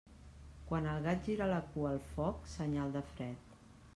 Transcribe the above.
Quan el gat gira la cua al foc, senyal de fred.